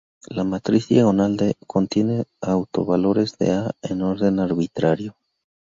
La matriz diagonal "D" contiene los autovalores de "A" en orden arbitrario.